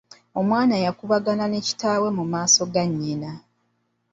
Omwana yakubagana ne kitaawe mu maaso ga nnyina.